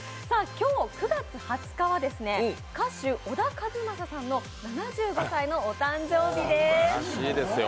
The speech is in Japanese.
今日９月２０日は、歌手、小田和正さんの７５歳のお誕生日です。